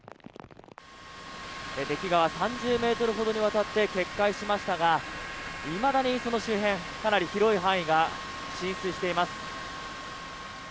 出来川、３０ｍほどにわたって決壊しましたがいまだにその周辺、かなり広い範囲が浸水しています。